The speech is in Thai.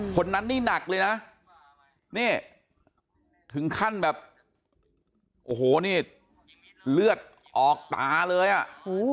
คนนั้นนี่หนักเลยนะนี่ถึงขั้นแบบโอ้โหนี่เลือดออกตาเลยอ่ะ